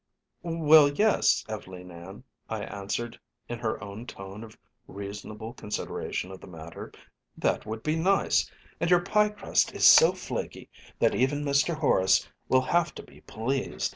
"Well, yes, Ev'leen Ann," I answered in her own tone of reasonable consideration of the matter; "that would be nice, and your pie crust is so flaky that even Mr. Horace will have to be pleased."